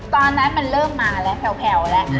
ตอนนั้นมันเริ่มมาแล้วแผ่วแล้ว